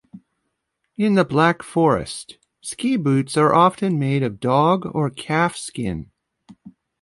In the Black Forest ski boots are often made of dog or calf skin.